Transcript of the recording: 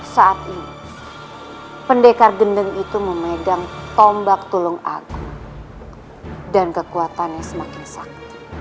saat ini pendekar gendeng itu memegang tombak tulung agung dan kekuatannya semakin sak